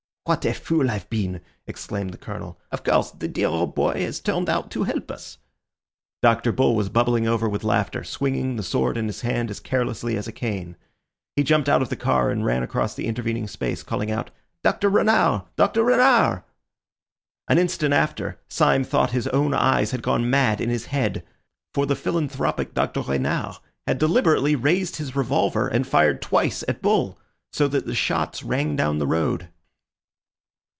"What a fool I've been!" exclaimed the Colonel. "Of course, the dear old boy has turned out to help us." Dr. Bull was bubbling over with laughter, swinging the sword in his hand as carelessly as a cane. He jumped out of the car and ran across the intervening space, calling out— "Dr. Renard! Dr. Renard!" An instant after Syme thought his own eyes had gone mad in his head. For the philanthropic Dr. Renard had deliberately raised his revolver and fired twice at Bull, so that the shots rang down the road.